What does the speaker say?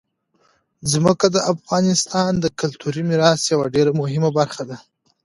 ځمکه د افغانستان د کلتوري میراث یوه ډېره مهمه برخه ده.